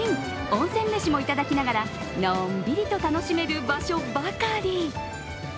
温泉飯もいただきながらのんびりと楽しめる場所ばかり。